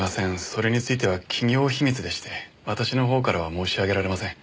それについては企業秘密でして私の方からは申し上げられません。